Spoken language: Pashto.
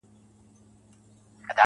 o ښكلو ته كاته اكثر.